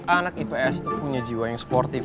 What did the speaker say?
anak ips itu punya jiwa yang sportif